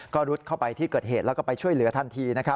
ก็รุดเข้าไปที่เกิดเหตุแล้วก็ไปช่วยเหลือทันที